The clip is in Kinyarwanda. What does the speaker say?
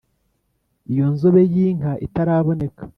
Iyo nzobe y'inka itaraboneka